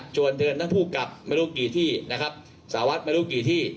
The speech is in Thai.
ชวนเตือนทั้งผู้กลับไม่รู้กี่ที่สาวัสไม่รู้กี่ที่